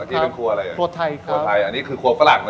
เมื่อกี้เป็นครัวอะไรครับครัวไทยครับครัวไทยอันนี้คือครัวฝรั่งเลย